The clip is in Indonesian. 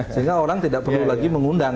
sehingga orang tidak perlu lagi mengundang